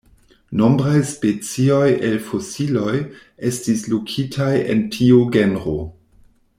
Nombraj specioj el fosilioj estis lokitaj en tiu genro.